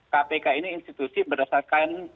kpk ini institusi berdasarkan